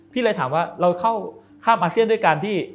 เลยถามว่าเราเข้าข้ามอาเซียนด้วยการที่